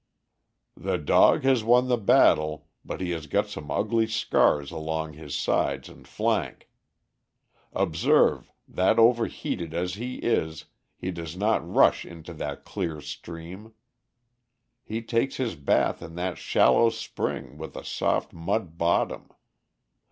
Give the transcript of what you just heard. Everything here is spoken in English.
"The dog has won the battle; but he has got some ugly scars along his sides and flank. Observe, that overheated as he is, he does not rush into that clear stream. He takes his bath in that shallow spring with a soft mud bottom.